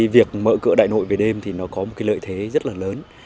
việc mở cửa đại nội về đêm có lợi thế rất lớn